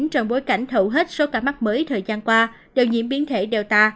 trong bối cảnh thậu hết số ca mắc mới thời gian qua đều nhiễm biến thể delta